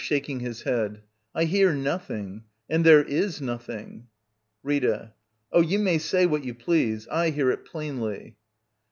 [Shaking his head.] I hear nothing. And there is nothing. Rita. Oh, you may say what you please — I hear it plainly.